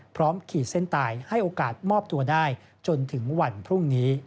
ขีดเส้นตายให้โอกาสมอบตัวได้จนถึงวันพรุ่งนี้